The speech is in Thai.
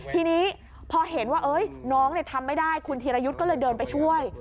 ทีนี้พอเห็นว่าน้องทำไม่ได้คุณธีรยุทธ์ก็เลยเดินไปช่วย